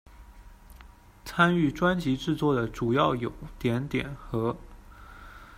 参与专辑制作的主要有、、和。